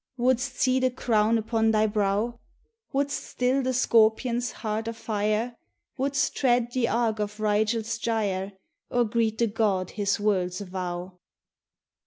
Wouldst set the Crown upon thy brow? Wouldst still the Scorpion's heart of fire? Wouldst tread the arc of Rigel's gyre, Or greet the God his worlds avow?